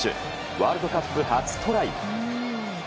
ワールドカップ初トライ。